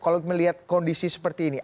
kalau melihat kondisi seperti ini